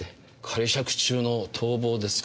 仮釈中の逃亡ですか。